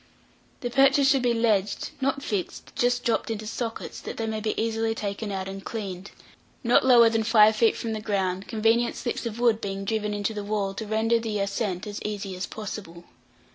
The perches should be ledged (not fixed just dropped into sockets, that they may be easily taken out and cleaned) not lower than five feet from the ground, convenient slips of wood being driven into the wall, to render the ascent as easy as possible.